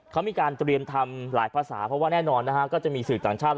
เขามีการเตรียมทำหลายภาษาเพราะว่าแน่นอนนะฮะก็จะมีสื่อต่างชาติ